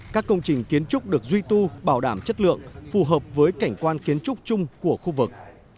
các công trình kiến trúc được duy tu bảo đảm chất lượng phù hợp với cảnh quan kiến trúc chung của khu vực